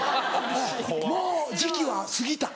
もう時期は過ぎた。